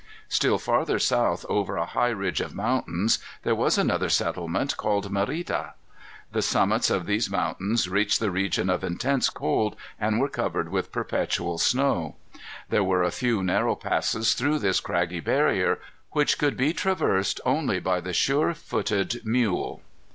Still farther south, over a high ridge of mountains, there was another settlement called Merida. The summits of these mountains reached the region of intense cold, and were covered with perpetual snow. There were a few narrow passes through this craggy barrier, which could be traversed only by the sure footed mule.